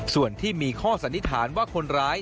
ส่วนที่มีข้อสันนิษฐานว่าคนร้าย